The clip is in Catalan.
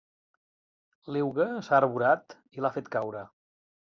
L'euga s'ha arborat i l'ha fet caure.